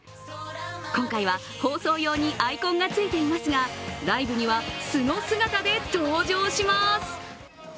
今回は放送用のアイコンがついていますが、ライブには素の姿で登場します。